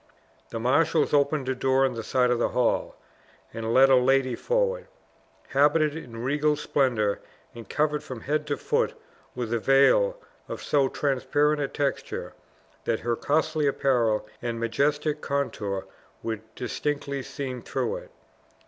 The marshals opened a door in the side of the hall, and led a lady forward, habited in regal splendor, and covered from head to foot with a veil of so transparent a texture, that her costly apparel and majestic contour were distinctly seen through it.